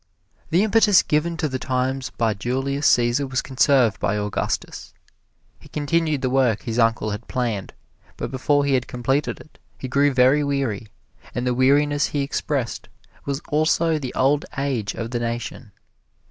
The impetus given to the times by Julius Cæsar was conserved by Augustus. He continued the work his uncle had planned, but before he had completed it, he grew very weary, and the weariness he expressed was also the old age of the nation.